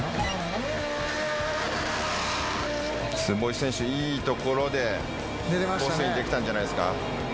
坪井選手いいところでコースインできたんじゃないですか？